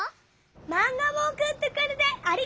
マンガもおくってくれてありがとう！